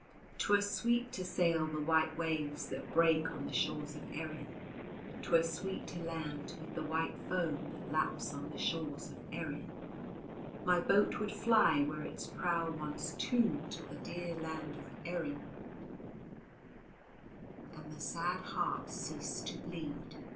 'Twere sweet to sail the white waves that break on the shores of Erin, 'Twere sweet to land 'mid the white foam that laps on the shores of Erin, My boat would fly were its prow once tumed to the dear land of Erin, And the sad heart cease to bleed.